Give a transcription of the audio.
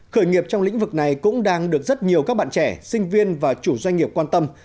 khởi nghiệp trong lĩnh vực này cũng đang được rất nhiều các bạn trẻ sinh viên và chủ doanh nghiệp quan tâm